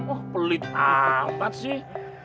oh pelit amat sih